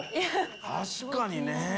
確かにね。